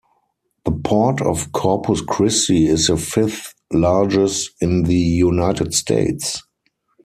The Port of Corpus Christi is the fifth-largest in the United States.